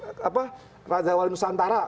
di mana raja walimusantara